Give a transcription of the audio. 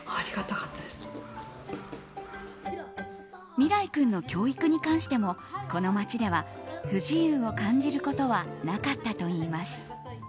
美良生君の教育に関してもこの街では不自由を感じることはなかったといいます。